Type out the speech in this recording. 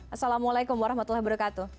assalamualaikum warahmatullahi wabarakatuh